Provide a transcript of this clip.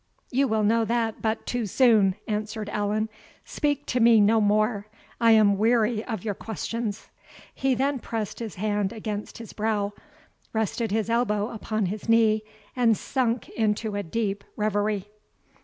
"You will know that but too soon," answered Allan. "Speak to me no more, I am weary of your questions." He then pressed his hand against his brow, rested his elbow upon his knee, and sunk into a deep reverie.